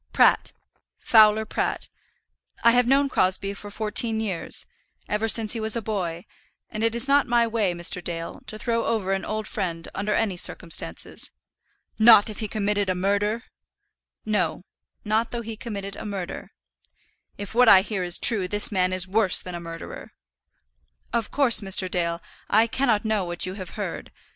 "Pratt; Fowler Pratt. I have known Crosbie for fourteen years, ever since he was a boy; and it is not my way, Mr. Dale, to throw over an old friend under any circumstances." "Not if he committed a murder." "No; not though he committed a murder." "If what I hear is true, this man is worse than a murderer." "Of course, Mr. Dale, I cannot know what you have heard.